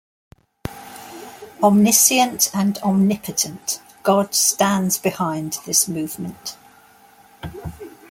Omniscient and omnipotent God stands behind this movement.